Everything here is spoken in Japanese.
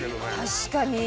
確かに。